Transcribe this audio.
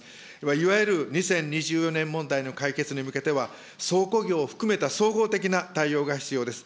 いわゆる２０２４年問題の解決に向けては、倉庫業を含めた総合的な対応が必要です。